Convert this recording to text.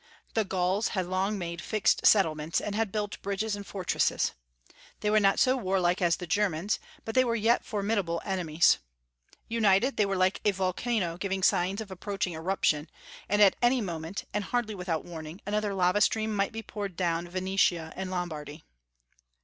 The Gauls had long made fixed settlements, and had built bridges and fortresses. They were not so warlike as the Germans; but they were yet formidable enemies. United, they were like "a volcano giving signs of approaching eruption; and at any moment, and hardly without warning, another lava stream might be poured down Venetia and Lombardy."